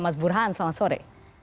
mas burhan selamat sore